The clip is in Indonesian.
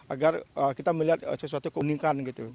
agar kita melihat sesuatu keunikan gitu